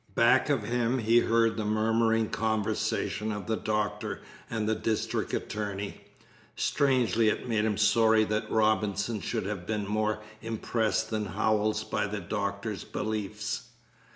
Back of him he heard the murmuring conversation of the doctor and the district attorney. Strangely it made him sorry that Robinson should have been more impressed than Howells by the doctor's beliefs.